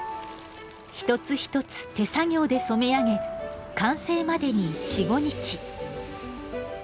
一つ一つ手作業で染め上げ完成までに４５日。